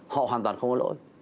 họ hoàn toàn không có lỗi